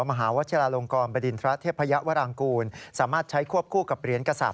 มหาวัชลาลงกรบดินทระเทพยวรางกูลสามารถใช้ควบคู่กับเหรียญกษัตว